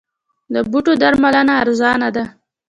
د بوټو درملنه ارزانه ده؟